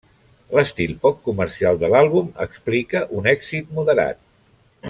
L'estil poc comercial de l'àlbum explica un èxit moderat.